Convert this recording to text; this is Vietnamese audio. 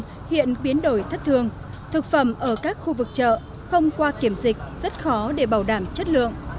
nhưng hiện biến đổi thất thương thực phẩm ở các khu vực chợ không qua kiểm dịch rất khó để bảo đảm chất lượng